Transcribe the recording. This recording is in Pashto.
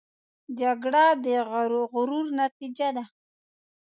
جګړه د غرور نتیجه ده